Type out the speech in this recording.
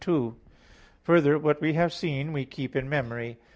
2: Further, what we have seen, we keep in memory.